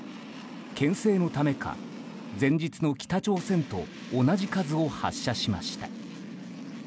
牽制のためか、前日の北朝鮮と同じ数を発射しました。